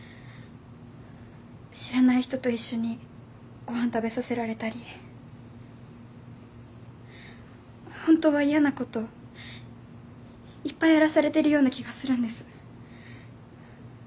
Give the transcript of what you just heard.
知らない人と一緒にご飯食べさせられたりホントは嫌なこといっぱいやらされてるような気がするんです